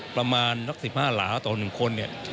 ประมาณ๑๕หลาตัว๑คน